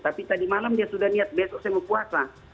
tapi tadi malam dia sudah niat besok saya mau puasa